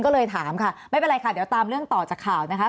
ก็เลยถามค่ะไม่เป็นไรค่ะเดี๋ยวตามเรื่องต่อจากข่าวนะคะ